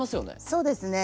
そうですね。